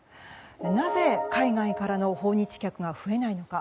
なぜ、海外からの訪日客が増えないのか。